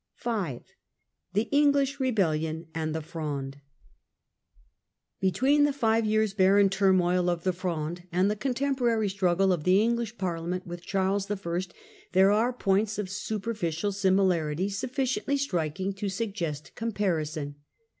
5. The English Rebellion and the Fronde. Hetween the five years' barren turmoil of the Fronde, and the contemporary struggle of the English Parliament with Charles I., there are points of superficial similarity sufficiently striking to suggest comparison.